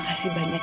terima kasih banyak